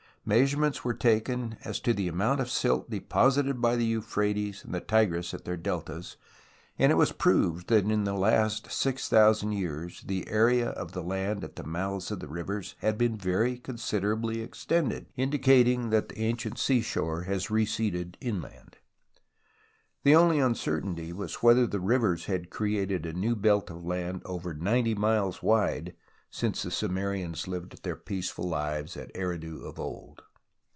Measurements were taken as to the amount of silt deposited by the Euphrates and the Tigris at their deltas, and it was proved that in the last six thousand years the area of land at the mouths of the rivers has been very con siderably extended, indicating that the ancient sea shore has receded inland. The only uncertainty was whether the rivers had created a new belt of land over 90 miles wide since the Sumerians lived their peaceful lives at Eridu of old.